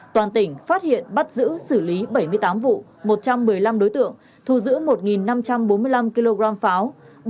toàn tỉnh phát hiện bắt giữ xử lý bảy mươi tám vụ một trăm một mươi năm đối tượng thu giữ một năm trăm bốn mươi năm kg pháo